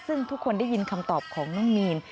ซึ่งทุกคนได้ยินคำตอบของน้องมีน